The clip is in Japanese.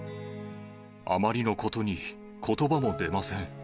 あまりのことにことばも出ません。